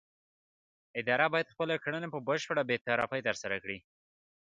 اداره باید خپلې کړنې په بشپړه بې طرفۍ ترسره کړي.